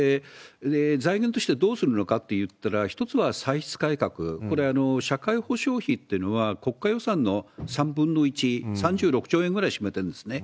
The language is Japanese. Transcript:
財源としてはどうするのかっていったら、一つは歳出改革、これは社会保障費ってのは、国家予算の３分の１、３６兆円ぐらい占めてるんですね。